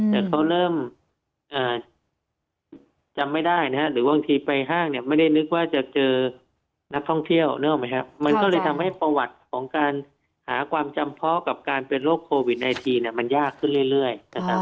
แต่เขาเริ่มจำไม่ได้นะฮะหรือบางทีไปห้างเนี่ยไม่ได้นึกว่าจะเจอนักท่องเที่ยวนึกออกไหมครับมันก็เลยทำให้ประวัติของการหาความจำเพาะกับการเป็นโรคโควิด๑๙มันยากขึ้นเรื่อยนะครับ